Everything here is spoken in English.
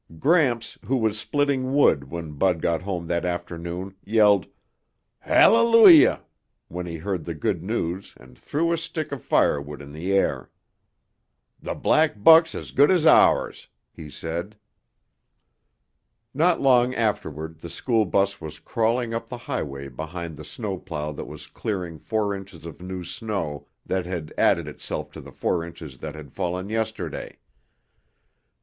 Gramps, who was splitting wood when Bud got home that afternoon, yelled "Hallelujah!" when he heard the good news and threw a stick of firewood in the air. "The black buck's as good as ours," he said. Not long afterward the school bus was crawling up the highway behind the snowplow that was clearing four inches of new snow that had added itself to the four inches that had fallen yesterday.